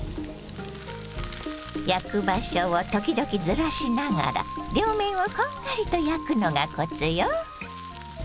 焼く場所を時々ずらしながら両面をこんがりと焼くのがコツよ。